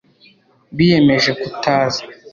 biyemeje kutaza